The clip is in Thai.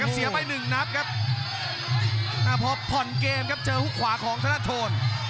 เสียไปหนึ่งนัดครับอ่าพอผ่อนเกมครับเจอฮุกขวาของธนโทน